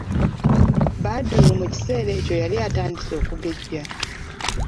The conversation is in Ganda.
Badru mu kiseera ekyo yali atandise okugejja.